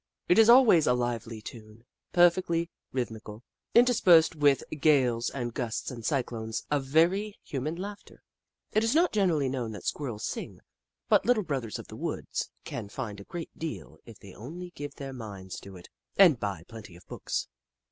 It is always a lively tune, perfectly rhythmical, interspersed with gales and gusts and cyclones of very human laugh ter. It is not generally known that Squirrels sing, but Little Brothers of the Woods can find out a great deal if they only give their minds to it and buy plenty of books.